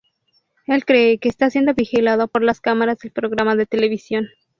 Él cree que está siendo vigilado por las cámaras del programa de televisión.